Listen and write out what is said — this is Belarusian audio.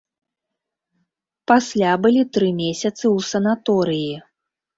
Пасля былі тры месяцы ў санаторыі.